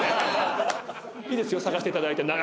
いいですよ探していただいて。